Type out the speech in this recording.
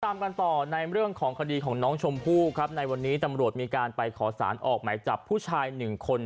ตามกันต่อในเรื่องของคดีของน้องชมพู่ครับในวันนี้ตำรวจมีการไปขอสารออกหมายจับผู้ชายหนึ่งคน